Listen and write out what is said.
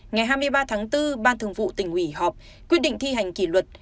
ngày hai mươi ba tháng bốn ban thường vụ tỉnh ủy họp quyết định thi hành kỷ luật